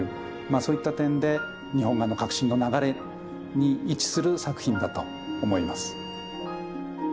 そういった点で日本画の革新の流れに位置する作品だと思います。